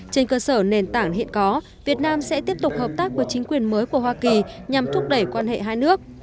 trên cơ sở nền tảng hiện có việt nam sẽ tiếp tục hợp tác với chính quyền mới của hoa kỳ nhằm thúc đẩy quan hệ hai nước